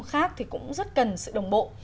khác thì cũng rất cần sự đồng bộ